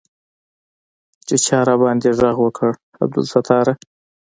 چې چا راباندې ږغ وکړ عبدالستاره.